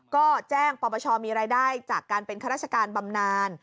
ก็แจ้งปปชมีรายได้จากการเป็นข้าราชการบำนาน